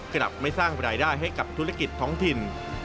กลับไม่สร้างรายได้ให้กับธุรกิจท้องถิ่น